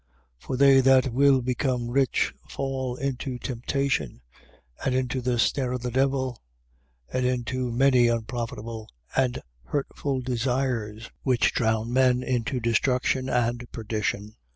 6:9. For they that will become rich fall into temptation and into the snare of the devil and into many unprofitable and hurtful desires, which drown men into destruction and perdition.